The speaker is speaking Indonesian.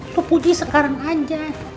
lu puji sekarang aja